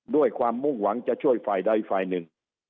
ด้วยความมุ่งหวังจะช่วยฝ่ายใดฝ่ายหนึ่ง